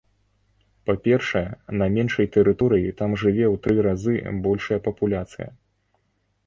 Па-першае, на меншай тэрыторыі там жыве ў тры разы большая папуляцыя.